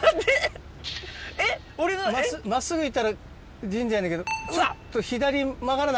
真っすぐ行ったら神社やねんけど。